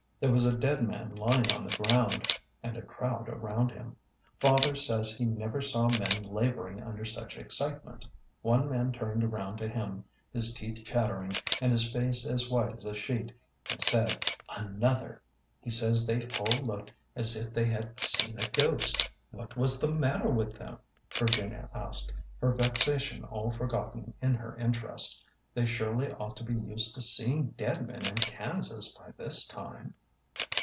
There was a dead man lying on the ground, and a crowd around him. Father says he never saw men laboring under such excitement. One man turned around to him, his teeth chattering and his face as white as a sheet, and said, ' Another! ' He says they all looked as if they had seen a ghost." What was the matter with them ?" Virginia asked, her vexation all forgotten in her interest. They surely ought to be used to seeing dead men in Kansas by this time."